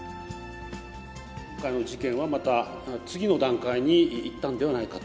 今回の事件はまた、次の段階にいったんではないかと。